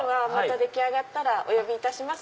出来上がったらお呼びします。